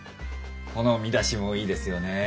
この見出しもいいですよね。